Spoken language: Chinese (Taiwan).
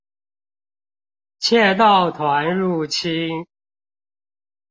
竊盜團入侵